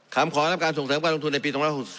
ขอรับการส่งเสริมการลงทุนในปี๒๖๔